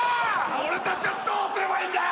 俺たちはどうすればいいんだ